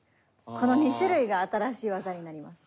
この２種類が新しい技になります。